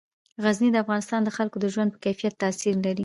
غزني د افغانستان د خلکو د ژوند په کیفیت تاثیر لري.